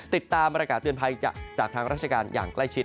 ติดตามบรรยากาศเตือนภัยจากทางราชการอย่างใกล้ชิด